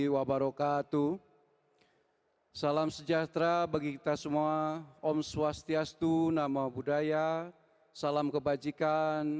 salam sejahtera bagi kita semua om swastiastu nama budaya salam kebajikan